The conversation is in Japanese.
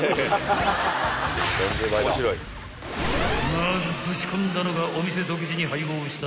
［まずぶち込んだのがお店独自に配合した］